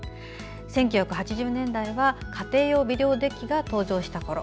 １９８０年代は家庭用ビデオデッキが登場したころ